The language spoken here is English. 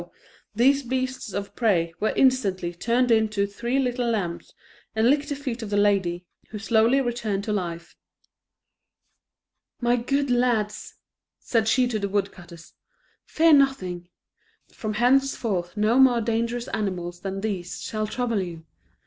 these beasts of prey were instantly turned into three little lambs, and licked the feet of the lady, who slowly returned to life. "My good lads," said she to the woodcutters, "fear nothing. From henceforth no more dangerous animals than these shall trouble you.